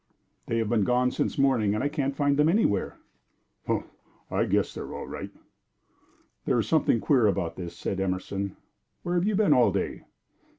"They have been gone since morning, and I can't find them anywhere." "Umph! I guess they all right." "There is something queer about this," said Emerson. "Where have you been all day?"